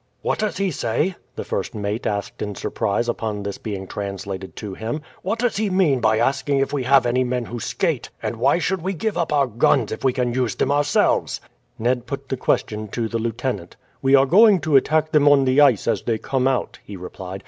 "What does he say?" the first mate asked in surprise upon this being translated to him. "What does he mean by asking if we have any men who skate, and why should we give up our guns if we can use them ourselves?" Ned put the question to the lieutenant. "We are going to attack them on the ice as they come out," he replied.